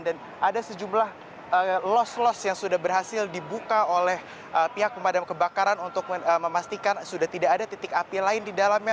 dan ada sejumlah los los yang sudah berhasil dibuka oleh pihak pemadam kebakaran untuk memastikan sudah tidak ada titik api lain di dalamnya